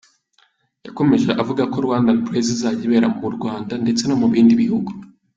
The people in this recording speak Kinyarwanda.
Yakomeje avuga ko Rwandan Praise izajya ibera mu Rwanda ndetse no mu bindi bihugu.